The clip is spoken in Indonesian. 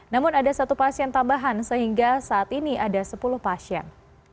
namun ada satu pasien tambahan sehingga saat ini ada sepuluh pasien